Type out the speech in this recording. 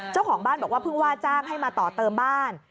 เจ้าของบ้านบอกว่าเพิ่งว่าจ้างให้มาต่อเติมบ้าน